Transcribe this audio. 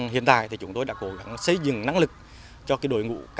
hiện tại thì chúng tôi đã cố gắng xây dựng năng lực cho cái đối với quảng trị